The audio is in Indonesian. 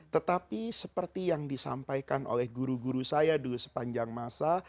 tetapi seperti yang disampaikan oleh guru guru saya dulu sepanjang masa